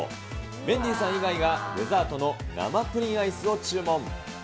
メンディーさん以外が、デザートの生プリンアイスを注文。